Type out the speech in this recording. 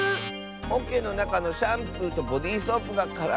おけのなかのシャンプーとボディーソープがからになってる？